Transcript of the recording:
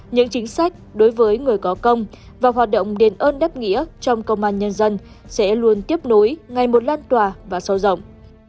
những chính sách đối với người có công và hoạt động đền ơn đáp nghĩa trong công an nhân dân sẽ luôn tiếp nối ngày một lan tỏa và sâu rộng